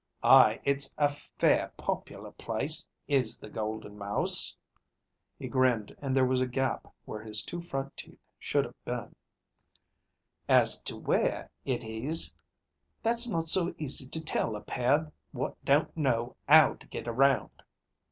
Aye, it's a fair popular place, is the Golden Mouse." He grinned, and there was a gap where his two front teeth should have been. "As to where it is, that's not so easy to tell a pair what don't know 'ow to get around.